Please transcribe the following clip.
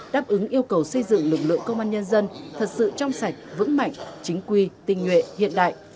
đáp ứng yêu cầu xây dựng lực lượng công an nhân dân thật sự trong sạch vững mạnh chính quy tinh nguyện hiện đại